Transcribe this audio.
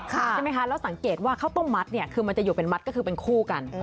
ใช่ไหมคะแล้วสังเกตว่าข้าวต้มมัดเนี่ยคือมันจะอยู่เป็นมัดก็คือเป็นคู่กัน